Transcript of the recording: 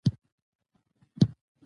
نفت د افغان ماشومانو د زده کړې موضوع ده.